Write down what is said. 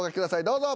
どうぞ。